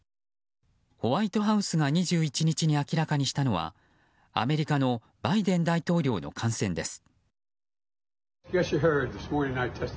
ホワイトハウスが２１日に明らかにしたのはアメリカのバイデン大統領の感染です。